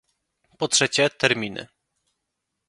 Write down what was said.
Po trzecie, terminy